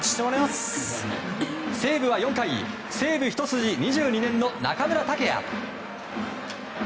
西武は４回西武ひと筋２２年の中村剛也。